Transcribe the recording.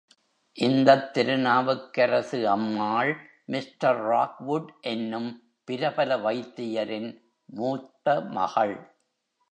இந்தத் திருநாவுக்கரசு அம்மாள், mister Rockwood என்னும் பிரபல வைத்தியரின் மூத்த மகள்.